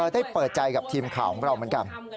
ได้เปิดใจกับทีมข่าวของเราเหมือนกัน